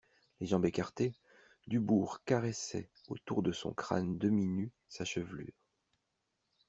Les jambes écartées, Dubourg caressait autour de son crâne demi-nu sa chevelure.